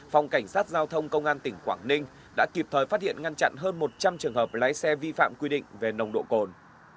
phòng cảnh sát giao thông công an tỉnh quảng ninh đã kịp thời phát hiện ngăn chặn hơn một trăm linh trường hợp lái xe vi phạm quy định về nồng độ cồn